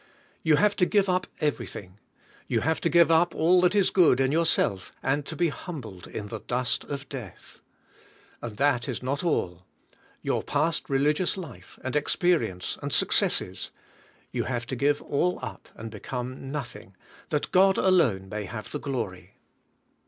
You have to give up everything. You have to give up all that is good in yourself and to be hum bled in the dust of death. And that is not all. Your past religious life and experience and suc cesses — you have to give all up and become 5G ENTRANCE INTO REST nothing, that God alone may have the glory.